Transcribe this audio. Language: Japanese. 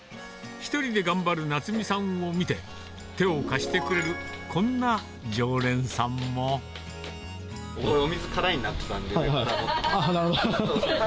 １人で頑張る奈津実さんを見て、手を貸してくれる、こんな常これ、お水、空になったんで。